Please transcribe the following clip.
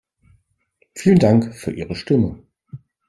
Vielen Dank für Ihre Stimme.